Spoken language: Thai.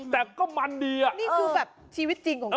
แต่ก็มันดีอ่ะนี่คือแบบชีวิตจริงของเขา